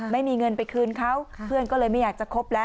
ไม่มีเงินไปคืนเขาเพื่อนก็เลยไม่อยากจะคบแล้ว